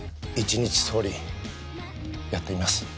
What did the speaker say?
一日総理やってみます。